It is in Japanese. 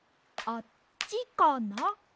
あっちかな？